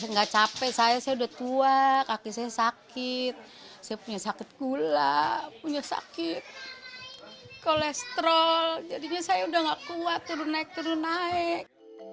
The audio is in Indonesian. nggak capek saya saya udah tua kaki saya sakit saya punya sakit gula punya sakit kolesterol jadinya saya udah gak kuat turun naik turun naik